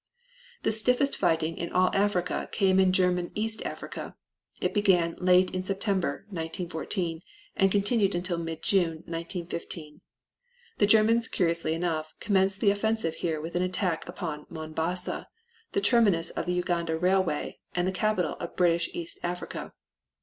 The stiffest fighting in all Africa came in German East Africa. It began in late September, 1914, and continued until mid June, 1915. The Germans, curiously enough, commenced the offensive here with an attack upon Monbasa, the terminus of the Uganda railway and the capital of British East Africa.